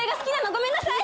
ごめんなさい！